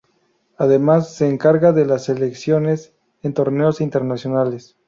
Además, se encarga de las selecciones en torneos internacionales.